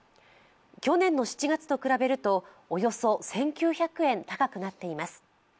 去年の７月と比べるとおよそ１９００円高くなっています。